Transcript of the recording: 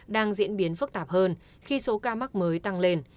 đang diễn biến phức tạp hơn khi số ca mắc mới tăng lên